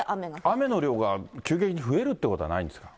雨の量が急激に増えるってことはないんですか。